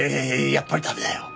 やっぱり駄目だよ。